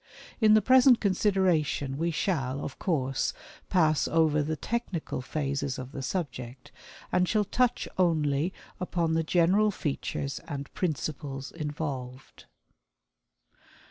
In the present consideration we shall, of course, pass over the technical phases of the subject, and shall touch only upon the general features and principles involved.